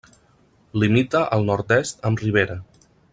Limita al nord-est amb Rivera.